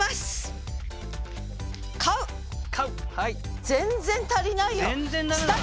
全然足りないよ！